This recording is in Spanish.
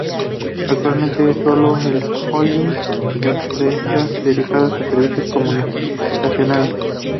Actualmente es sólo un holding de empresas dedicadas a servicios comunicacionales.